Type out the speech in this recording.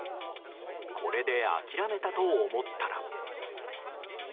これで諦めたと思ったら。